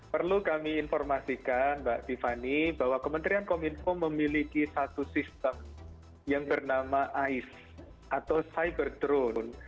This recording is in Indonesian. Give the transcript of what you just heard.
perlu kami informasikan mbak tiffany bahwa kementerian kominfo memiliki satu sistem yang bernama ice atau cyber drone